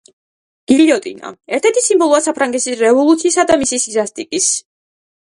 გილიოტინა ერთ-ერთი სიმბოლოა საფრანგეთის რევოლუციისა და მისი სისასტიკის.